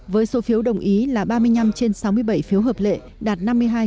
với số phiếu đồng ý là ba mươi năm trên sáu mươi bảy phiếu hợp lệ đạt năm mươi hai hai mươi bốn